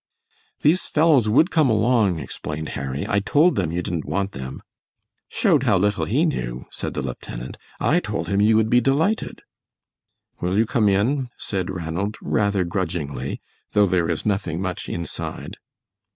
"These fellows would come along," explained Harry; "I told them you didn't want them." "Showed how little he knew," said the lieutenant. "I told him you would be delighted." "Will you come in?" said Ranald, rather grudgingly, "though there is nothing much inside."